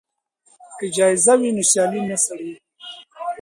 که جایزه وي نو سیالي نه سړه کیږي.